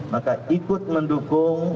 maka ikut mendukung